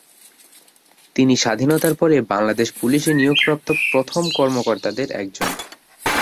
তিনি স্বাধীনতার পরে বাংলাদেশ পুলিশে নিয়োগপ্রাপ্ত প্রথম কর্মকর্তাদের একজন।